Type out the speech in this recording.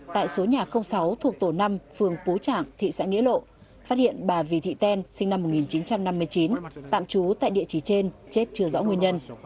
tại số nhà sáu thuộc tổ năm phường pú trạng thị xã nghĩa lộ phát hiện bà vì thị ten sinh năm một nghìn chín trăm năm mươi chín tạm trú tại địa chỉ trên chết chưa rõ nguyên nhân